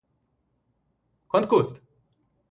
Quanto custa?